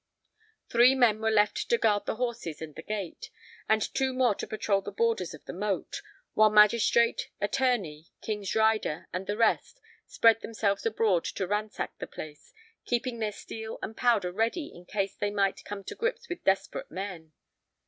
Three men were left to guard the horses and the gate, and two more to patrol the borders of the moat, while magistrate, attorney, king's rider, and the rest spread themselves abroad to ransack the place, keeping their steel and powder ready in case they might come to grips with desperate men.